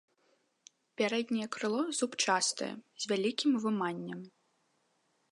Пярэдняе крыло зубчастае, з вялікім выманнем.